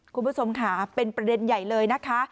คุณผู้ชมค่ะเป็นประเด็นใหญ่เลยนะคะ